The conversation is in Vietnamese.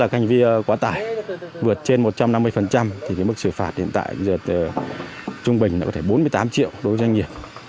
hành vi quá tải vượt trên một trăm năm mươi thì mức xử phạt hiện tại trung bình có thể bốn mươi tám triệu đối với doanh nghiệp